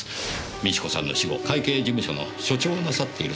美智子さんの死後会計事務所の所長をなさっているそうですよ。